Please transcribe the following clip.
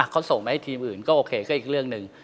เขาส่งมาให้ทีมอื่นก็โอเคก็อีกเรื่องหนึ่ง